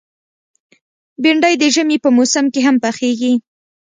بېنډۍ د ژمي په موسم کې هم پخېږي